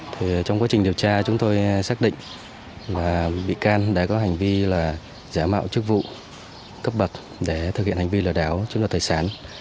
trong quá trình điều tra chúng tôi xác định là bị can đã có hành vi là giả mạo chức vụ cấp bật để thực hiện hành vi lờ đảo chức vụ tài sản